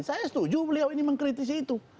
saya setuju beliau ini mengkritisi itu